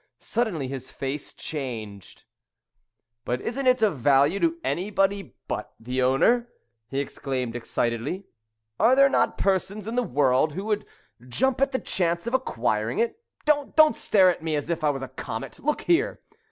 Suddenly his face changed. "But isn't it of value to anybody but the owner?" he exclaimed excitedly. "Are there not persons in the world who would jump at the chance of acquiring it? Don't stare at me as if I was a comet. Look here!